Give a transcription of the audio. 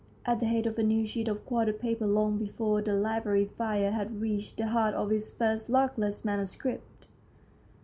at the head of a new sheet of quarto paper long before the library fire had reached the heart of his first luckless manuscript.